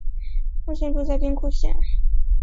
目前住在兵库县。